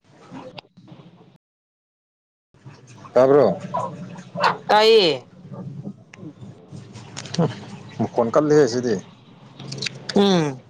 [unintelligible] ꯑ ꯀꯥꯏ ꯃꯈꯨꯣꯟ ꯀꯂꯦ ꯑꯁꯤꯗꯤ ꯎꯝ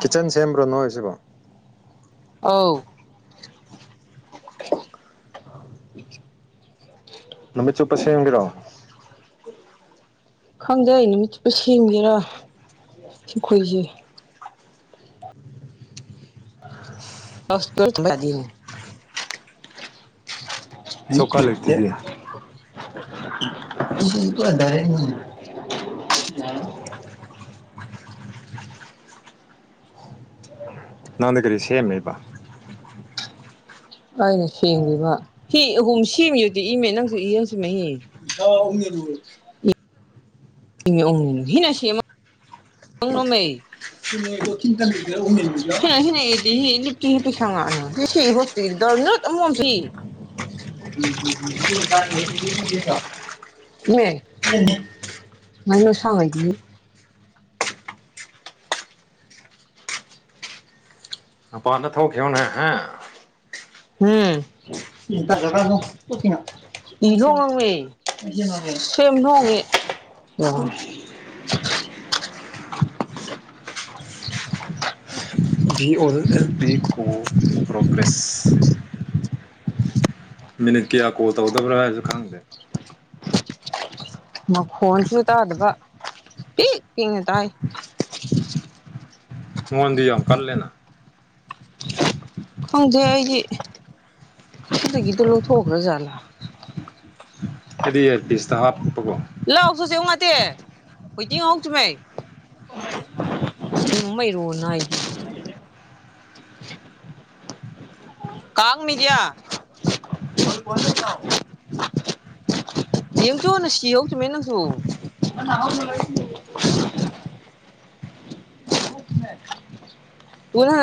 ꯀꯤꯠꯆꯟ ꯁꯦꯝꯕ꯭ꯔꯣ ꯅꯣꯏ ꯁꯤꯕꯣ ꯑ ꯅꯨꯃꯤꯠ ꯆꯨꯞꯄ ꯁꯦꯝꯒꯦꯔꯣ ꯈꯪꯖꯩ ꯅꯨꯃꯤꯠ ꯆꯨꯞꯄ ꯁꯦꯝꯒꯦꯔꯥ ꯁꯈꯣꯏꯁꯦ ꯑꯁꯇꯅꯤ ꯆꯧꯀꯥ ꯑꯩꯠꯇ ꯂꯩꯇꯗꯤ ꯇꯗꯔꯦꯅꯤ ꯅ ꯑꯗꯨ ꯀꯔꯤꯁꯦꯃꯦꯕ ꯑꯩꯅ ꯁꯦꯡꯗꯕ ꯍꯤ ꯑꯍꯨꯝ ꯁꯦꯝꯃꯤꯗꯤ ꯏꯃꯦ ꯅꯪꯁꯨ ꯏꯡꯁꯨ ꯃꯍ ꯎꯝ ꯍꯤꯅꯥꯁꯤꯃ ꯅ ꯅꯣꯃꯩ ꯍ ꯍ ꯁꯉ [unintelligible] ꯑꯦ ꯃꯥꯏꯅ ꯁꯉꯣꯏꯗꯤ ꯃꯄꯥꯟꯗ ꯊꯧꯈꯤꯕꯣꯅꯦ ꯍꯥꯏꯦ ꯎꯝꯁꯨ ꯉ ꯁꯦꯝꯦꯝ ꯅ ꯍꯣꯡꯉꯦ [unintelligible] ꯕꯤ ꯑꯣꯜ ꯑꯦꯜ ꯄꯤ ꯀꯣ ꯄ꯭ꯔꯣꯒ꯭ꯔꯦꯁ ꯃꯦꯅ ꯀꯌꯥ ꯀꯣꯠꯇ ꯑꯣꯗ ꯭ꯔ ꯁ ꯈꯥꯡꯗ ꯃꯈꯣꯟꯁꯨ ꯇꯥꯗꯕ ꯄꯤꯛ ꯄꯤꯛꯅ ꯇꯥꯏ ꯃꯣꯣꯟꯗ ꯀ ꯂꯅ ꯈꯪꯗꯦ ꯑꯩꯒꯤ ꯗꯒꯤꯗ ꯂ ꯊꯈ꯭ꯔꯖꯂ ꯑꯩꯗꯤ ꯄꯤꯁꯇ ꯍꯥꯞꯄꯀꯣ ꯠꯇꯦ ꯍꯧꯣꯏꯗꯤꯤꯡ ꯉꯥꯎꯇꯃꯩ ꯁꯃ ꯏꯔꯣꯟꯅ ꯀꯥꯛ ꯃꯤꯗꯤꯌꯥ ꯌꯦꯡꯁꯨꯅ ꯁꯤꯍꯧ ꯆ ꯃ ꯅꯪꯁꯨ [inaudible] ꯄꯨꯅ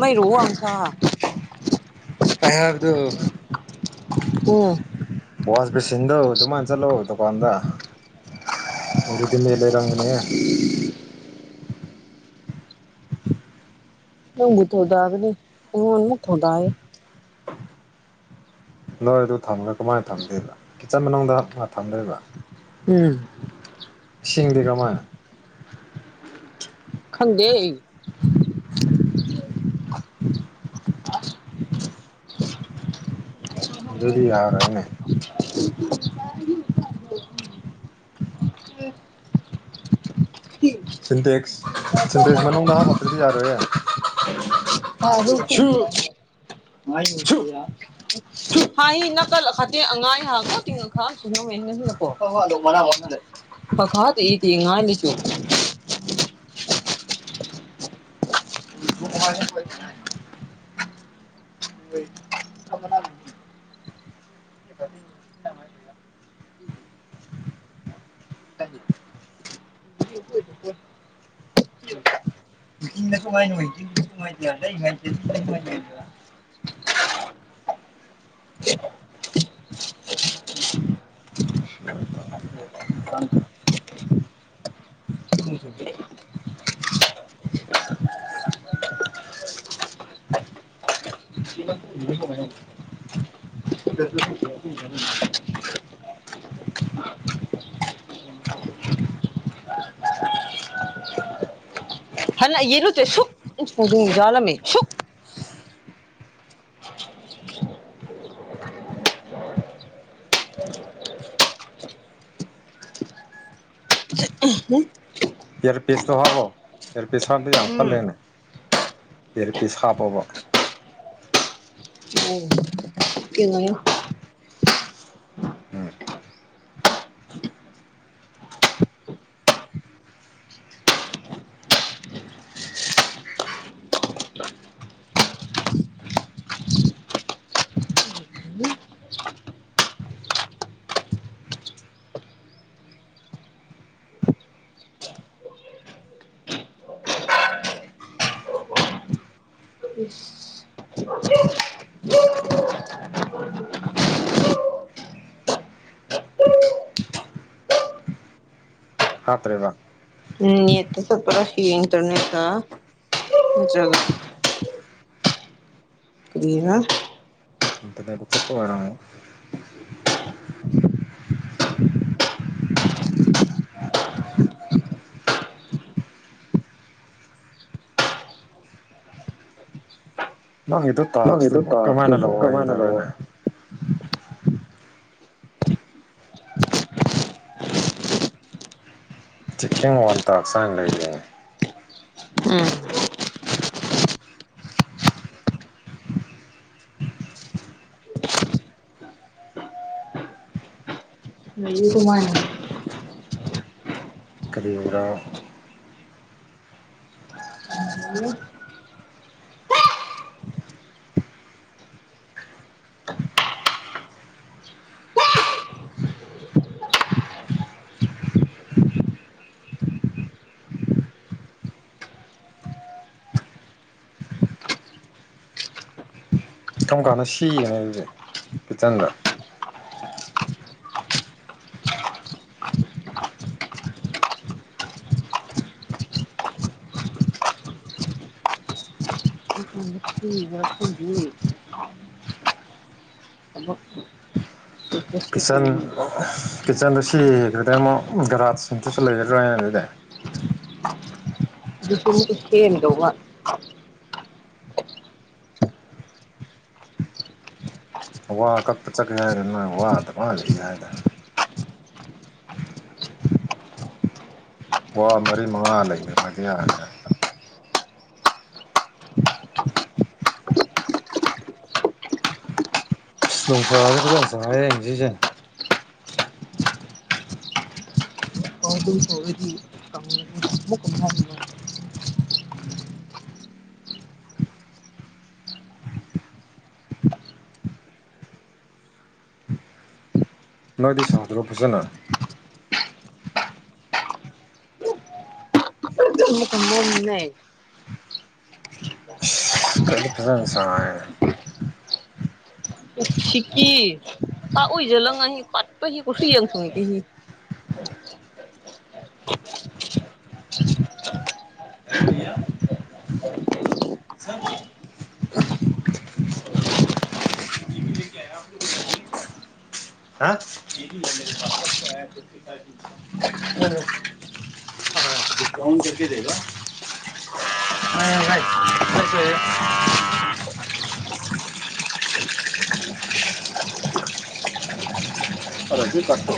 ꯃꯥꯏ ꯔꯣ ꯑꯥꯎꯁ ꯄꯥꯏꯔꯗ ꯎꯝ ꯋꯥꯁ ꯦꯁꯤꯟꯗꯗꯨ ꯃꯥꯥꯟ ꯆꯂꯣꯗꯨ ꯐꯥꯟꯗꯔꯗꯤ ꯃ ꯂꯩ ꯪꯅꯦ ꯅ ꯃꯊ ꯗꯒꯅꯤ ꯍ ꯃꯊꯣꯗꯏ ꯅꯣꯏ ꯑꯗꯨ ꯊꯝꯃꯒ ꯀꯃꯥꯏꯅ ꯊꯝꯗꯣꯏꯦꯕ ꯀꯤꯠꯆꯟ ꯃꯅꯨꯡꯗ ꯉ ꯊꯝꯗꯣꯏꯕ ꯎꯝ ꯁꯤꯁꯤꯡꯗꯤ ꯔꯃꯥꯏꯅ ꯈꯟꯗ ꯑꯗꯨꯗꯤ ꯌꯥꯔꯣꯏꯅꯦ ꯁꯤꯟꯇꯦꯛꯁ ꯁꯤꯟꯇꯦꯛꯁ ꯃꯅꯨꯡꯗ ꯍꯥꯞꯄꯞꯄꯗꯤ ꯌꯥꯔꯣꯏꯦ ꯍ ꯑꯗꯨ ꯁꯨ ꯁꯨ ꯍ ꯀ ꯐꯇ ꯑꯉ ꯍꯥꯒꯣ ꯇ ꯣ ꯈ ꯏ ꯊꯤ ꯉꯥꯟ ꯂꯤ [inaudible] ꯨꯃꯥꯏꯅ ꯍꯅ ꯌꯦ ꯅꯠꯇ ꯁꯨꯛ ꯖꯂ ꯁꯨꯛ ꯏꯔ ꯄꯤꯁꯇꯣ ꯍꯕꯣ ꯏꯔ ꯄꯤꯁ ꯍꯗꯤ ꯌꯥꯝ ꯈꯔ ꯎꯝ ꯂꯩꯅꯦ ꯦꯔꯤ ꯄꯤꯁ ꯍꯥꯞꯄꯕ ꯀꯦꯉꯣ ꯎꯝ ꯍꯥꯄꯦꯕ ꯁꯠꯄꯔ ꯍ ꯏꯟꯇꯔꯅꯦ ꯈꯨꯔꯤꯒ ꯏꯟꯇꯔꯅꯦꯠꯇ ꯆꯠꯄ ꯑꯣꯏꯔꯝꯅꯤ ꯃꯪꯒꯤꯗꯨ ꯇꯥꯛꯁꯇꯨ ꯅꯪꯒꯤꯗꯣ ꯀꯔꯃꯥꯏꯅ ꯇꯥꯛꯁꯇꯨꯕꯨ ꯀꯃꯥꯏꯅ ꯂꯧꯑꯣꯗꯕ꯭ꯔꯥꯅꯦ ꯂꯧꯋꯦ ꯆꯤꯀꯤꯡ ꯋꯥꯟ ꯇꯥꯛ ꯁꯅ ꯂꯩꯔꯤꯅꯦ ꯂꯩꯨꯒꯨꯃꯅꯤ ꯀꯔꯤꯕꯔꯣ ꯀꯔꯝ ꯀꯥꯟꯗ ꯁꯤꯒꯅꯦ ꯑꯗꯨꯗꯤꯦ ꯀꯤꯠꯆꯟꯗ ꯐꯤꯁꯟ ꯀꯤꯠꯆꯟꯗ ꯁꯤꯈ꯭ꯔꯗꯦ ꯑꯃꯨꯛ ꯒꯔꯥꯠꯁꯤꯡꯇꯁꯨ ꯂꯩꯒꯗ꯭ꯔꯣꯏꯅ ꯑꯗꯨꯗꯤ ꯀꯊꯦ ꯑꯗ ꯋꯥ ꯋꯥ ꯀꯛꯄ ꯆꯠꯀꯦ ꯍꯥꯏꯗꯅ ꯅꯣꯏ ꯋꯥꯗ ꯃꯥꯂꯛꯏ ꯍꯥꯏꯗꯅ ꯋꯥ ꯃꯔꯤ ꯃꯉꯥ ꯂꯩꯌꯦꯦ ꯃꯌꯥ ꯣꯡ ꯆꯥꯗꯤ ꯐꯖꯅ ꯆꯦ ꯌꯦꯡ ꯁꯤꯁꯦ ꯅꯣꯏꯗꯤ ꯁꯥꯗ꯭ꯔꯣ ꯐꯖꯅ ꯏꯁꯀ ꯐꯖ ꯁꯤꯀꯤ ꯄ ꯑꯣꯏꯖꯂꯪ ꯑꯍ ꯄꯠꯄꯁꯤ ꯀꯁꯤ ꯌꯥꯡ ꯊꯃꯤ ꯀꯁꯤ [inaudible] ꯍꯥ [inaudible] [inaudible] [inaudible] ꯑ ꯗꯤꯀꯥꯎꯟ ꯀꯀ ꯗꯒ ꯉꯥꯏ ꯀꯣꯏꯁ ꯔꯖꯤ ꯄꯠꯇꯣ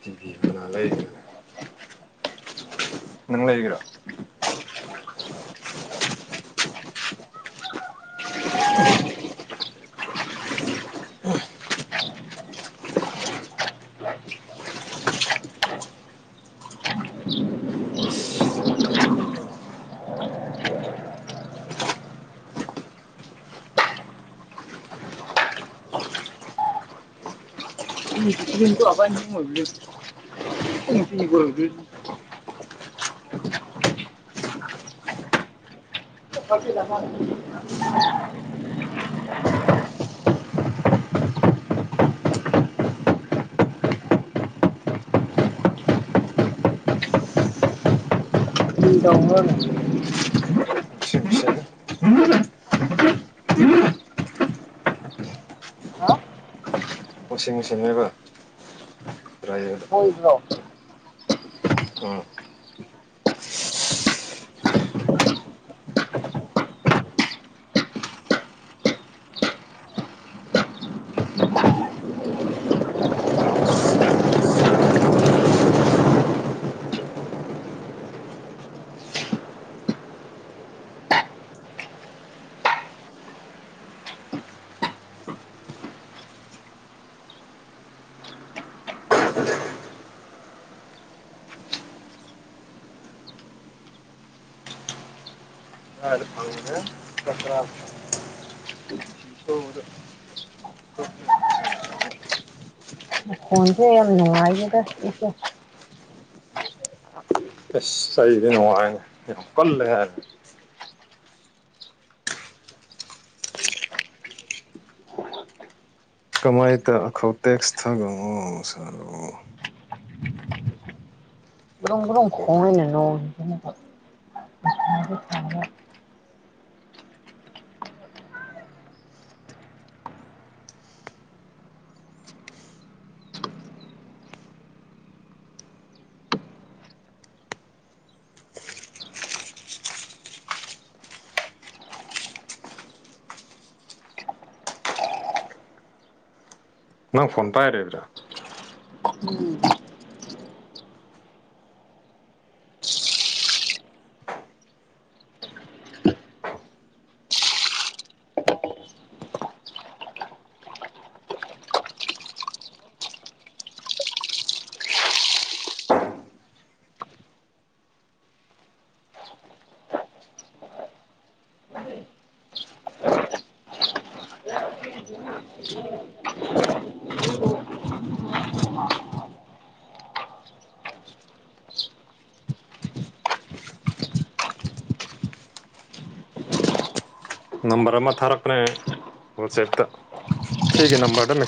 ꯇꯤꯚꯤ ꯀꯅꯥ ꯂꯩꯒꯦ ꯅꯤꯡꯉ ꯌꯦꯍꯤꯒ꯭ꯔꯣ ꯏ ꯇꯔꯤ ꯀ ꯑꯕꯅꯤ ꯑꯣꯏꯣꯏ [inaudible] ꯍ ꯀꯎꯒ ꯋꯥꯁꯤꯡ ꯃꯦꯆꯤꯟ ꯋꯥꯁꯤꯡ ꯁꯤꯡꯅꯦꯕꯥꯏꯕꯗ ꯍꯣꯏꯕ꯭ꯔꯣ ꯄꯉꯅꯦꯦ ꯀꯠꯇ꯭ꯔ ꯐꯣꯟꯁꯦ ꯌꯥꯝ ꯅꯨꯡꯉꯥꯏꯌꯦꯗ ꯏꯁꯦ ꯑ ꯁꯩꯗꯅꯣ ꯀꯂ ꯍꯥꯏꯅ ꯀꯃꯥꯏ ꯇꯈꯧ ꯇꯦꯛꯁ ꯊꯥꯒꯅꯣ ꯁꯥꯔꯣ ꯗꯣꯡꯒꯗꯣꯡ ꯈꯣꯡꯉꯅꯦ ꯅ ꯅꯪ ꯐꯣꯟ ꯇꯥꯏꯔꯦꯕꯤ꯭ꯔꯥ ꯅꯝꯕꯔ ꯑꯃ ꯊꯥꯔꯛꯄ꯭ꯔꯦ ꯋꯥꯆꯦꯞꯇ ꯊꯤ ꯅꯝꯕꯔꯗ